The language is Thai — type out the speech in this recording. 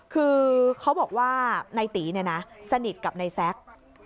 คือเขาบอกว่าในตีเนี่ยนะสนิทกับนายแซ็ก